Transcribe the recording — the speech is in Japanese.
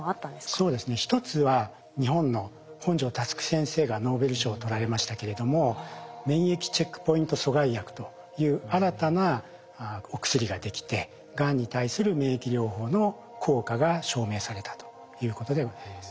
そうですね一つは日本の本庶佑先生がノーベル賞を取られましたけれども免疫チェックポイント阻害薬という新たなお薬ができてがんに対する免疫療法の効果が証明されたということでございます。